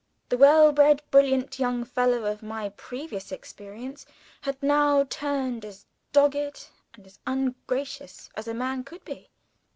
The well bred brilliant young fellow of my previous experience, had now turned as dogged and as ungracious as a man could be.